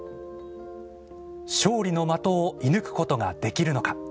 勝利の的を射ぬくことができるのか。